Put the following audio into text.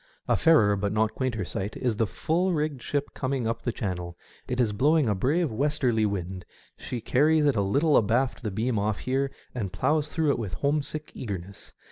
A fairer, but not a quainter, sight is the full rigged ship coming up Channel. It is blowing a brave westerly wind; she carries it a little abaft the beam off here, and ploughs through it with home sick eagerness.